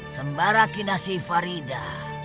sembara kinasi farida